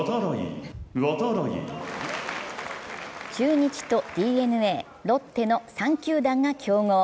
中日とＤｅＮＡ、ロッテの３球団が競合。